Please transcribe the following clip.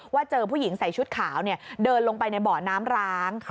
เจอผู้หญิงใส่ชุดขาวเดินลงไปในเบาะน้ำร้าง